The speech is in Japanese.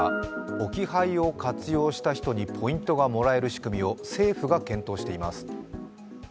置き配を活用した人にポイントがもらえる仕組みを政府が検討しています。